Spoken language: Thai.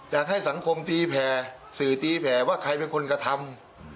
อยากให้สังคมตีแผ่สื่อตีแผ่ว่าใครเป็นคนกระทำ